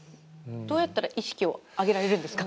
どうやったら意識を上げられるんですか。